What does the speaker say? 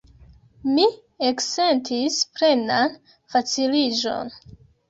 Mi eksentis plenan faciliĝon.